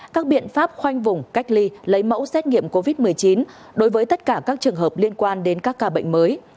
các biện pháp khoanh vùng cách ly lấy mẫu xét nghiệm covid một mươi chín đối với tất cả các trường hợp liên quan đến các ca bệnh mới